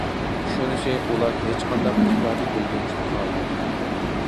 شۇنىسى ئۇلار ھېچقانداق ئىپادە بىلدۈرۈشنى خالىمايتتى.